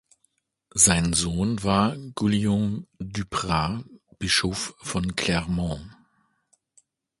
Sein Sohn war Guillaume Duprat, Bischof von Clermont.